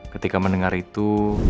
ketika mendengar itu